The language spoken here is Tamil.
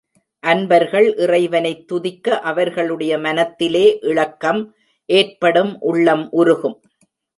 அன்பர்கள் இறைவனைத் துதிக்க அவர்களுடைய மனத்திலே இளக்கம் ஏற்படும் உள்ளம் உருகும்.